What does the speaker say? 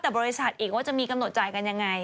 แต่บริษัทอีกว่าจะมีกำหนดจ่ายกันยังไง